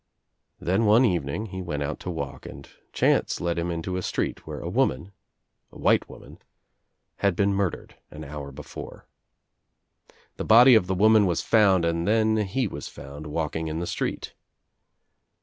Then one evening he went out to walk and chance led him into a street where a woman, a white woman, had OUT OF NOWHERE INTO NOTHING 22? been murdered an hour before. The body of the woman was found and then he was found walking in the street.